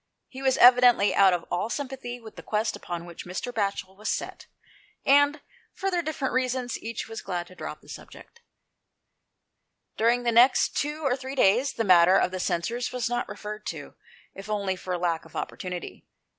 He was evidently out of all sympathy with the quest upon which Mr. Batchel was set, and, for their different reasons, each was glad to drop the subject. During the next two or three days, the matter of the censers was not referred to, if only for lack of opportunity.